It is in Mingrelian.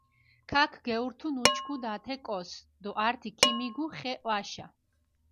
ქაქ გეურთუნ უჩქუდუ ათე კოს დო ართი ქიმიგუ ხე ჸვაშა.